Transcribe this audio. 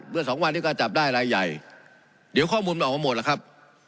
สองวันนี้ก็จับได้รายใหญ่เดี๋ยวข้อมูลมันออกมาหมดแล้วครับ